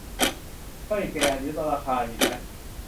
เฮ้ย แก อันนี้ลดราคาอยู่นะ